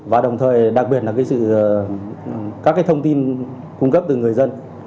và đồng thời đặc biệt là các cái thông tin cung cấp từ người dân